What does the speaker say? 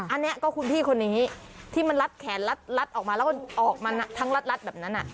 อันนี้ก็คุณพี่คนนี้ที่มันลัดแขนลัดออกมาแล้วก็ออกมาทั้งรัดแบบนั้น